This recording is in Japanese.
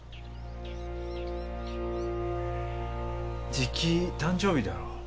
じき誕生日だろう？